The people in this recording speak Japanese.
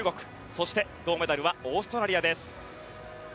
そして銅メダルはオーストラリアです。